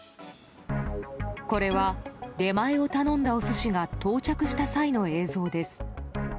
これは、出前を頼んだお寿司が到着した際の映像です。